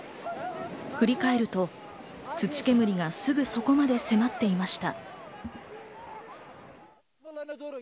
振り返ると、土煙がすぐそこまで迫っていました。